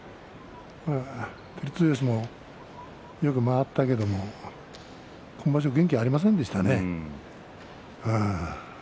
照強もよく動いたんだけども今場所、元気ありませんでしたね。